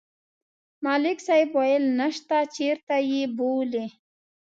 ملک صاحب ویل: نشته، چېرته یې بولي؟